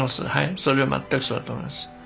それは全くそうだと思います。